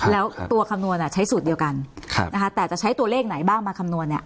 แล้วตัวคำนวณใช้สูตรเดียวกันนะคะแต่จะใช้ตัวเลขไหนบ้างมาคำนวณเนี่ย